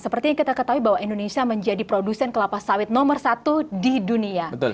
seperti yang kita ketahui bahwa indonesia menjadi produsen kelapa sawit nomor satu di dunia